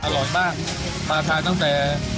อร่อยมากมาทานตั้งแต่